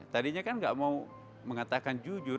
tadinya kan gak mau mengatakan jujur